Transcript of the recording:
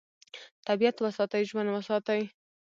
طبیعت وساتئ، ژوند وساتئ.